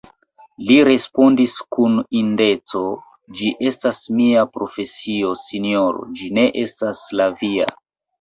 Li respondis kun indeco: Ĝi estas mia profesio, sinjoro: ĝi ne estas la via.